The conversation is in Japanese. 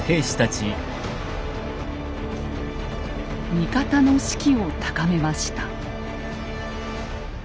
味方の士気を高めました。